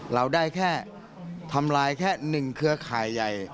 เราได้แค่ทำลายแค่๑เครือข่ายใหญ่